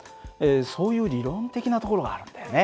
そういう理論的なところがあるんだよね。